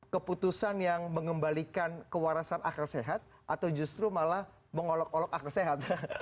keputusan yang mengembalikan kewarasan akal sehat atau justru malah mengolok olok akal sehat